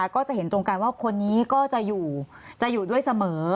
ก็จะเห็นตรงกันว่าคนนี้ก็จะอยู่ด้วยเสมอ